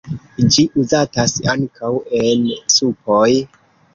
Ĝi uzatas ankaŭ en supoj.